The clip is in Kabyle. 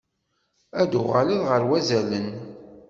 Ad d-uɣaleɣ ɣer wazalen.